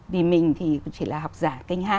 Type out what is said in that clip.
vì mình thì chỉ là học giả kênh hai